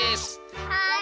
はい。